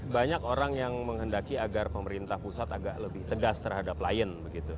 banyak orang yang menghendaki agar pemerintah pusat agak lebih tegas terhadap lion